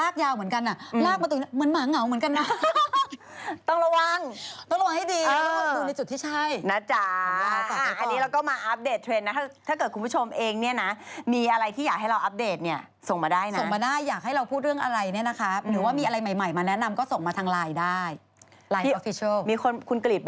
ก็เหมือนโดนของเหมือนกันเนี่ยคุณกริจ